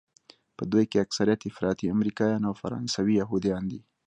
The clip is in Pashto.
په دوی کې اکثریت افراطي امریکایان او فرانسوي یهودیان دي.